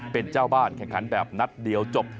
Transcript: เป็นเจ้าบ้านแข่งขันแบบนัดเดียวจบ